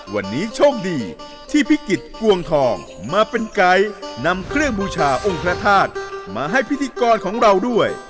วันนี้โชคดีที่พิกิจกวงทองมาเป็นไกด์นำเครื่องบูชาองค์พระธาตุมาให้พิธีกรของเราด้วย